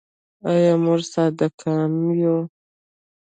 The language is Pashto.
آیا موږ صادقان یو؟